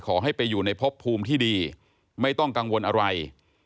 ขอให้ไปอยู่ในพบภูมิที่ดีไม่ต้องกังวลอะไร